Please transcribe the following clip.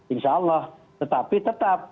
insya allah tetapi tetap